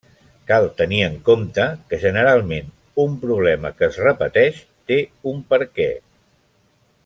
Cal tenir en compte que generalment, un problema que es repeteix té un perquè.